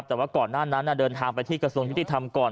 แต่ว่าก่อนหน้านั้นเดินทางไปที่กระทรวงยุติธรรมก่อน